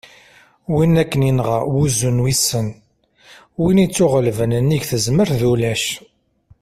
win akken yenɣa "wuzzu n wissen", win ittuɣellben : nnig tezmert d ulac